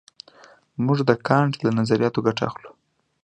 موږ د کانټ له نظریاتو ګټه اخلو.